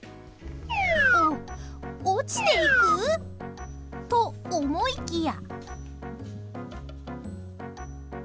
お、落ちていく！と思いきや。